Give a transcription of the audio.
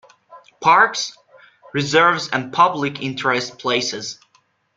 Parks, Reserves and public interest places.